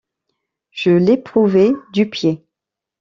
Je l’éprouvai du pied.